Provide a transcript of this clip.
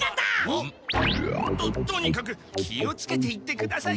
ん？ととにかく気をつけて行ってくださいよ。